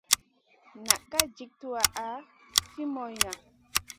Na ka jik tuwaʼa fi moyna.